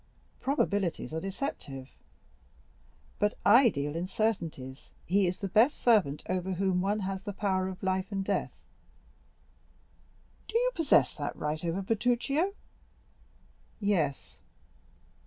"Probabilities are deceptive." "But I deal in certainties; he is the best servant over whom one has the power of life and death." "Do you possess that right over Bertuccio?" "Yes."